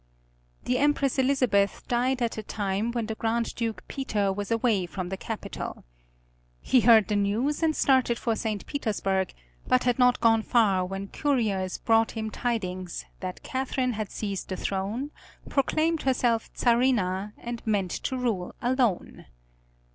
The Empress Elizabeth died at a time when the Grand Duke Peter was away from the capital. He heard the news and started for St. Petersburg, but had not gone far when couriers brought him tidings that Catherine had seized the throne, proclaimed herself Czarina, and meant to rule alone.